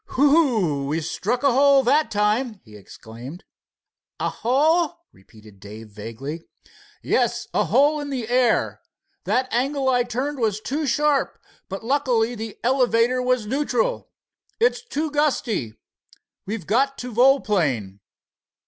"Whew! we struck a hole that time," he exclaimed. "A hole?" repeated Dave vaguely. "Yes, a hole in the air. That angle I turned was too sharp, but luckily the elevator was neutral. It's too gusty. We've got to volplane."